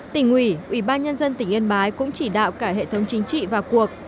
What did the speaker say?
tỉnh ủy ủy ban nhân dân tỉnh yên bái cũng chỉ đạo cả hệ thống chính trị vào cuộc